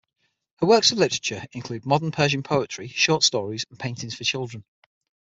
Her works of literature include modern Persian poetry, short stories, and paintings for children.